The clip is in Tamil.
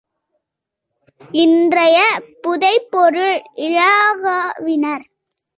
இன்றைய புதைபொருள் இலாகாவினர்.